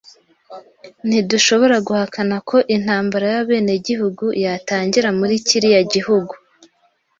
Ntidushobora guhakana ko intambara y'abenegihugu yatangira muri kiriya gihugu.